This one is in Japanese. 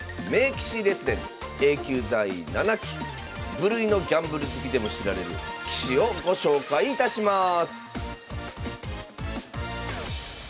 無類のギャンブル好きでも知られる棋士をご紹介いたします